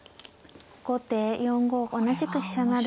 後手４五同じく飛車成。